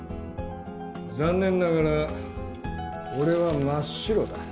残念ながら俺は真っ白だ。